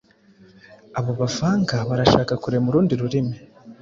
Abo bavanga barashaka kurema urundi rurimi